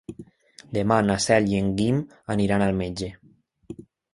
Demà na Cel i en Guim aniran al metge.